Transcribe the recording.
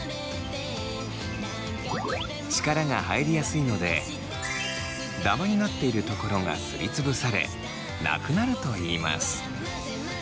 力が入りやすいのでダマになっているところがすりつぶされなくなるといいます。